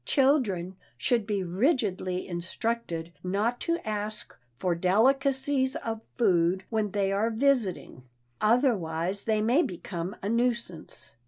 Children should be rigidly instructed not to ask for delicacies of food when they are visiting, otherwise they may become a nuisance.